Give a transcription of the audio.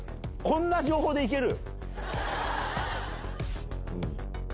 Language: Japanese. こんな情報で行ける？